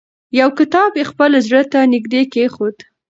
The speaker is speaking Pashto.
یو کتاب یې خپل زړه ته نږدې کېښود.